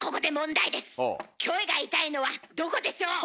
キョエが痛いのはどこでしょう？